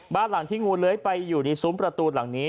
บ้านหลังที่งูเลื้อยไปอยู่ในซุ้มประตูหลังนี้